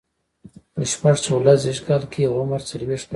په شپږ سوه لس زيږديز کې یې عمر څلوېښت کاله شو.